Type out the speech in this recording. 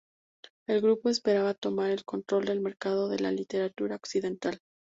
El grupo esperaba tomar el control del mercado de la literatura occidental.